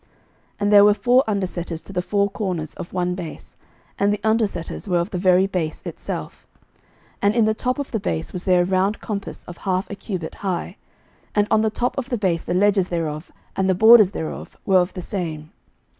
11:007:034 And there were four undersetters to the four corners of one base: and the undersetters were of the very base itself. 11:007:035 And in the top of the base was there a round compass of half a cubit high: and on the top of the base the ledges thereof and the borders thereof were of the same.